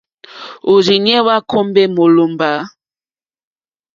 Òrzìɲɛ́ hwá kùmbè mólòmbá.